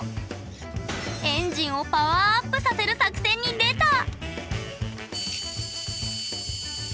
エンジンをパワーアップさせる作戦に出た！